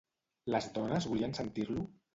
Les dones volien sentir-lo?